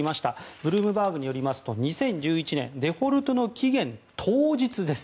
ブルームバーグによりますと２０１１年デフォルトの期限当日です。